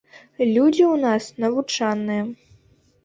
Людзі ў нас навучаныя.